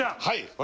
はい！